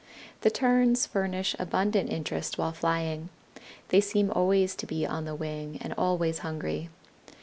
The Terns furnish abundant interest while flying. They seem always to be on the wing, and always hungry.